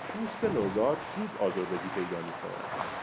پوست نوزاد زود آزردگی پیدا میکند.